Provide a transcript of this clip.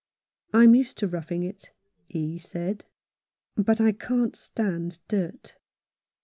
" I'm used to rough ing it," he said, "but I can't stand dirt."